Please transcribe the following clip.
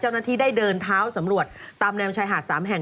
เจ้าหน้าที่ได้เดินเท้าสำรวจตามแนวชายหาด๓แห่ง